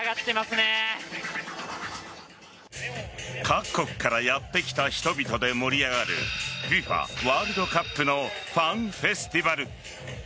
各国からやってきた人々で盛り上がるＦＩＦＡワールドカップのファンフェスティバル。